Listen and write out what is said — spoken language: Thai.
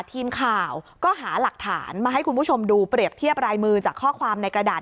ทีมข่าวก็หาหลักฐานมาให้คุณผู้ชมดูเปรียบเทียบรายมือจากข้อความในกระดาษ